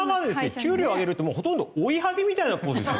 給料を上げるってもうほとんど追い剥ぎみたいな構図ですよ。